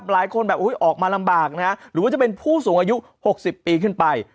หลายคนแบบออกมาลำบากนะหรือว่าจะเป็นผู้สูงอายุ๖๐ปีขึ้นไป